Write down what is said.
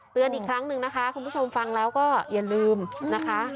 เตือนอีกครั้งหนึ่งนะคะคุณผู้ชมฟังแล้วก็อย่าลืมนะคะ